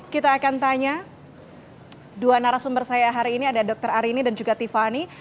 kita akan tanya dua narasumber saya hari ini ada dr arini dan juga tiffany